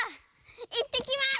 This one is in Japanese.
いってきます！